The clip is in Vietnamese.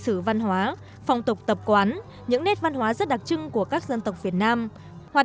sử văn hóa phong tục tập quán những nét văn hóa rất đặc trưng của các dân tộc việt nam hoạt